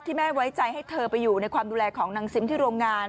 แม่ไว้ใจให้เธอไปอยู่ในความดูแลของนางซิมที่โรงงาน